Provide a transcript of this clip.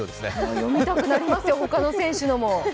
読みたくなりますよ、他の選手のも。